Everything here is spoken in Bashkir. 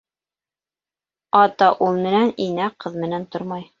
Ата ул менән, инә ҡыҙ менән тормай.